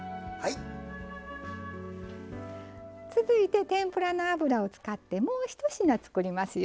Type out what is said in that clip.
続いて天ぷらの油を使ってもう１品作りますよ。